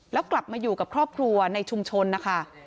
แล้วกลับมาอยู่กับครอบครัวในชุมชนนะคะ